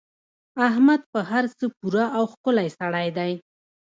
احمد په هر څه پوره او ښکلی سړی دی.